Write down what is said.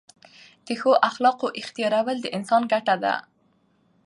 د ښو اخلاقو احتیارول د انسان ګټه ده.